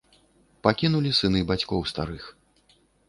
Пакінулі сыны бацькоў старых.